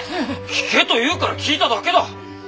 聞けと言うから聞いただけだ！